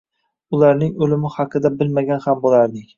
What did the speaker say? ularning o‘limi haqida bilmagan ham bo‘lardik.